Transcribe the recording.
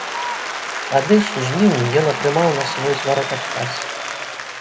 Тады ж у жніўні ён атрымаў на свой зварот адказ.